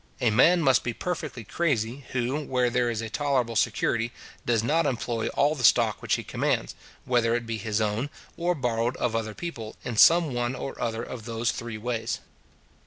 A man must be perfectly crazy, who, where there is a tolerable security, does not employ all the stock which he commands, whether it be his own, or borrowed of other people, in some one or other of those three ways.